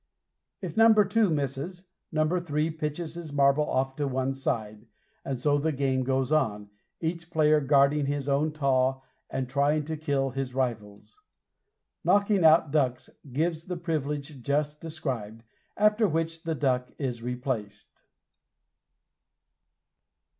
If number two misses, number three pitches his marble off to one side, and so the game goes on, each player guarding his own taw and trying to kill his rivals. Knocking out ducks gives the privilege just described, after which the duck is replaced.